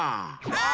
あ！